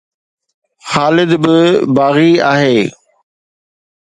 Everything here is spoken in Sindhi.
خالد به باغي آهي